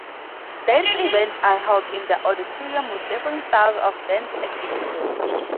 Dance events are held in the auditorium, with different styles of dance exhibited.